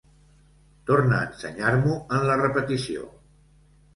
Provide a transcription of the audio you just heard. Torna a ensenyar-m'ho en la repetició